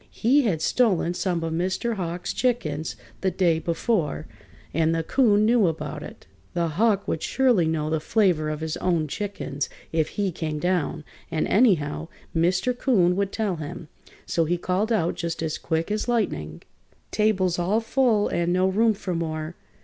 He had stolen some of Mr. Hawk's chickens the day before, and the 'Coon knew about it. The Hawk would surely know the flavor of his own chickens if he came down, and, anyhow, Mr. 'Coon would tell him. So he called out just as quick as lightning: "Table's all full and no room for more!